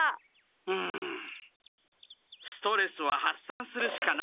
うむストレスは発散するしかない。